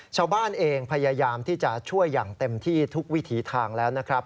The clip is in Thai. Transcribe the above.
ชาวบ้านเองพยายามที่จะช่วยอย่างเต็มที่ทุกวิถีทางแล้วนะครับ